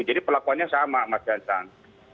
jadi perlakuannya sama mas jansan